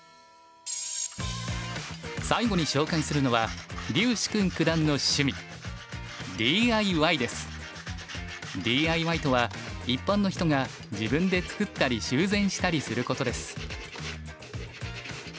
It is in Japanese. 最後に紹介するのは柳時熏九段の趣味ＤＩＹとは一般の人が自分で作ったり修繕したりすることです。